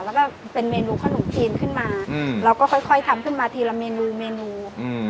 แล้วก็เป็นเมนูขนมจีนขึ้นมาเราก็ค่อยทำขึ้นมาทีละเมนูเมนูอืม